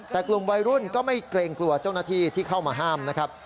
แต่กลุ่มวัยรุ่นก็ไม่เกรงกลัวเจ้าหน้าที่ที่เข้ามาห้ามนะครับ